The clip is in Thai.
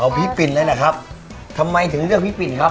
พี่ปิ่นเลยนะครับทำไมถึงเลือกพี่ปิ่นครับ